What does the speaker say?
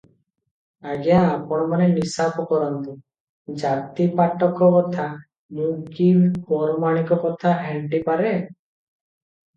ଆଜ୍ଞା, ଆପଣମାନେ ନିଶାପ କରନ୍ତୁ, ଜାତିପାଟକ କଥା, ମୁଁ କି ପରମାଣିକ କଥା ହେଣ୍ଟି ପାରେଁ?